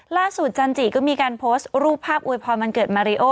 ล่าสุดจันทรีย์ก็มีการโพสต์รูปภาพอวยพรมันเกิดมาริโอ